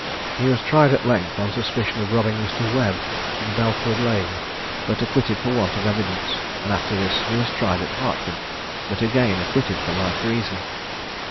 He was tried at length on suspicion of robbing Mr. Webb in Belfourd Lane, but acquitted for want of evidence; and after this he was tried at Hertford, but again acquitted for a like reason.